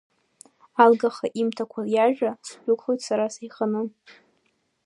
Алгаха имҭакәа иажәа, сдәықәлоит сара сеиханы.